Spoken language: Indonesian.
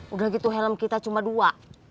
udah gitu helm kita cuma dua